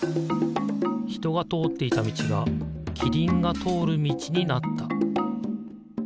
ひとがとおっていたみちがキリンがとおるみちになった。